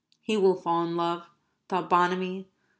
"He will fall in love," thought Bonamy.